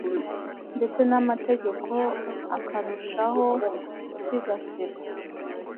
ndetse n’amateka akarushaho gusigasirwa,